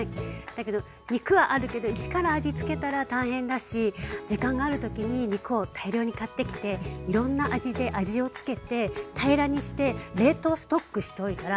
だけど肉はあるけど一から味つけたら大変だし時間がある時に肉を大量に買ってきていろんな味で味をつけて平らにして冷凍ストックしておいたらまあ便利。